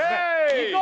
いこう！